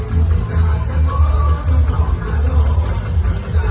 ส่องขึ้นในใจรอดแจกับฝูงมั่น